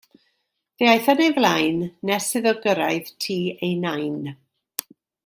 Fe aeth yn ei flaen nes iddo gyrraedd tŷ ei nain.